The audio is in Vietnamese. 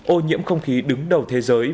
ô nhiễm không khí đứng đầu thế giới